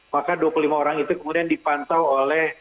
maka dua puluh lima orang itu kemudian dipantau oleh